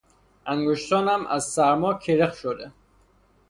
انگشتانم از سرما کرخ شده.